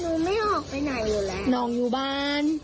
หนูไม่ออกไปไหนอยู่แล้ว